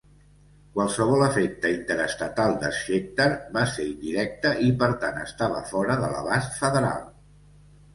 Qualsevol efecte interestatal de Schechter va ser indirecte i, per tant, estava fora de l'abast federal.